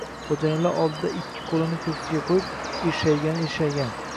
xo’jayinlar oldida ikki qo’lini ko’ksiga qo’yib, irshaygani-irshaygan.